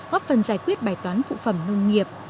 góp phần giải quyết bài toán phụ phẩm nông nghiệp